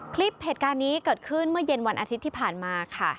คลิปเหตุการณ์นี้เกิดขึ้นเมื่อเย็นวันอาทิตย์ที่ผ่านมาค่ะ